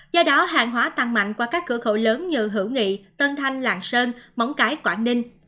do đó hàng hóa tăng mạnh qua các cửa khẩu lớn như hữu nghị tân thanh lạng sơn móng cái quảng ninh